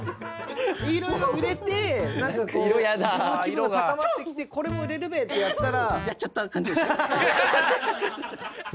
色々売れて気分が高まってきてこれも売れるべってやったら。